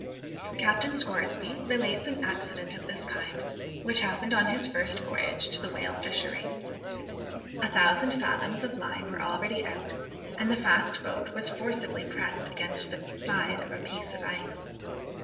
Captain Scoresby relates an accident of this kind, which happened on his first voyage to the whale fishery. A thousand fathoms of line were already out, and the fast boat was forcibly pressed against the side of a piece of ice.